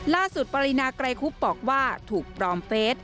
ปรินาไกรคุบบอกว่าถูกปลอมเฟส